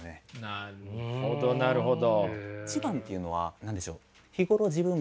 なるほどなるほど。